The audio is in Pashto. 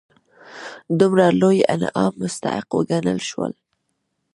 دومره لوی انعام مستحق وګڼل شول.